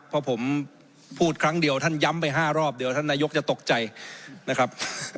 เพราะผมพูดครั้งเดียวท่านย้ำไป๕รอบเดี๋ยวท่านนายกจะตกใจนะครับ